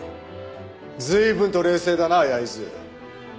随分と冷静だな焼津。